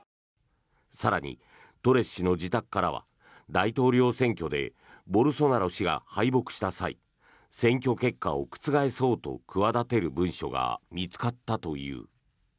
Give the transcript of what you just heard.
更にトレス氏の自宅からは大統領選挙でボルソナロ氏が敗北した際選挙結果を覆そうと企てる文書が見つかったという。